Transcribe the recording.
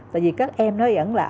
tại vì các em nói dẫn là